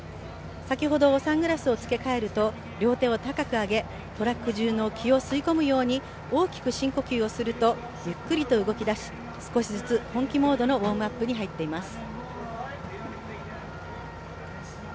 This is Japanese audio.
先ほど、サングラスを着け替えると両手を高く上げトラックじゅうの気を吸い込むように大きく深呼吸をするとゆっくりと動き出し、少しずつ本気モードのウォームアップに入っています。